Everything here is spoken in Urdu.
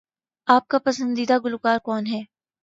آپ کا پسندیدہ گلوکار کون ہے؟